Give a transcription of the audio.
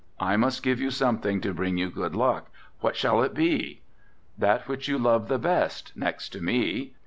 I must give you something to bring you good luck, what shall it be?" "That which you love the best, next to me."